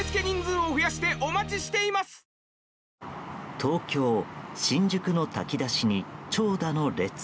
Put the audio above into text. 東京・新宿の炊き出しに長蛇の列。